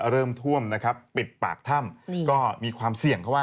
ซึ่งตอน๕โมง๔๕นะฮะทางหน่วยซิวได้มีการยุติการค้นหาที่